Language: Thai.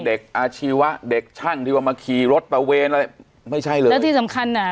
อาชีวะเด็กช่างที่ว่ามาขี่รถตะเวนอะไรไม่ใช่เลยแล้วที่สำคัญอ่ะ